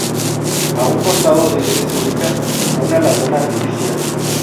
A un costado de este se ubica una laguna artificial.